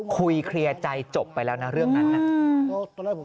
เคลียร์ใจจบไปแล้วนะเรื่องนั้นน่ะ